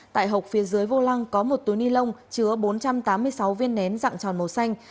tại hộp phía dưới vô lăng có một túi ni lông chứa bốn trăm tám mươi sáu viên nén dạng tròn màu xanh